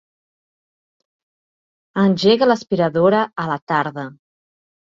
Engega l'aspiradora a la tarda.